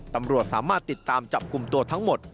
ตำรวจสามารถติดตามจับกลุ่มตัวทั้งหมด